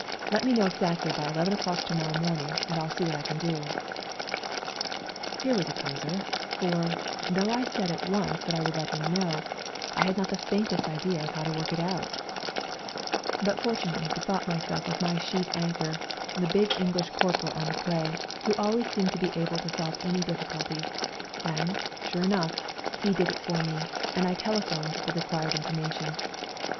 Let me know exactly by eleven o'clock to morrow morn ing, and I'll see what I can do." Here was a poser, for, though I said at once that I would let him know, I had not the faintest idea of how to work it out ; WE GO TO CORFU 223 but fortunately bethought myself of my sheet anchor, the big English corporal on the quay, who always seemed to be able to solve any difficulty ; and, sure enough, he did it for me, and I telephoned the required information.